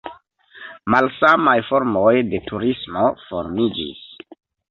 Malsamaj formoj de turismo formiĝis.